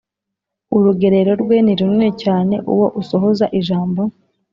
urugerero rwe ni runini cyane Uwo usohoza ijambo